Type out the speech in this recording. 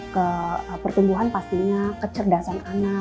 ke pertumbuhan pastinya kecerdasan anak